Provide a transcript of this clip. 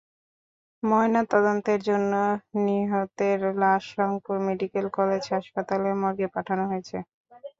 ময়নাতদন্তের জন্য নিহতের লাশ রংপুর মেডিকেল কলেজ হাসপাতালের মর্গে পাঠানো হয়েছে।